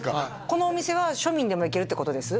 このお店は庶民でも行けるってことです？